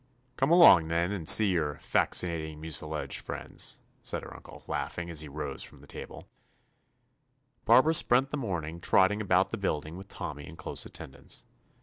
'* "Come along, then, and see your *faxinating mucilage' friends," said her uncle, laughing, as he rose from the table. Barbara spent the morning trotting about the building with Tonmiy in 198 TOMMY POSTOFFICE close attendance. Mr.